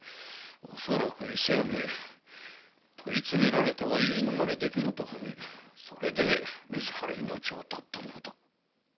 おそらく伊勢屋め問い詰められては言い逃れできぬと踏みそれで自ら命を絶ったものと。